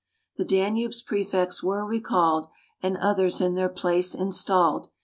The Danube's prefects were recalled, And others in their place installed.